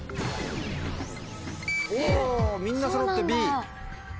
おぉみんなそろってＢ。